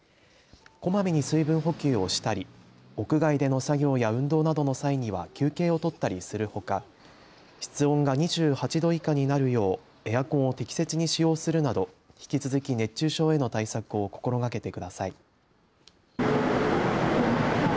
こまめに水分補給をしたり屋外での作業や運動などの際には休憩を取ったりするほか室温が２８度以下になるようエアコンを適切に使用するなど引き続き熱中症への対策を心がけてください。